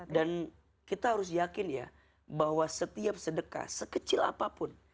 dan kita harus yakin ya bahwa setiap sedekah sekecil apapun